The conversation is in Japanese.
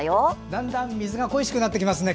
だんだん水が恋しくなってきますね